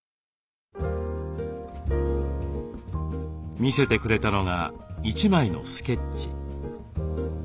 見せてくれたのが一枚のスケッチ。